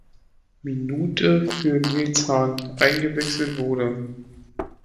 Minute für Niels Hahn eingewechselt wurde.